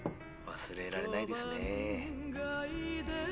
忘れられないですね。